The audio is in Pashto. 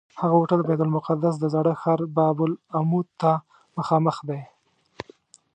هغه هوټل د بیت المقدس د زاړه ښار باب العمود ته مخامخ دی.